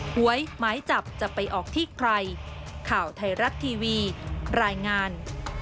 หวยหมายจับจะไปออกที่ใครข่าวไทยรัฐทีวีรายงาน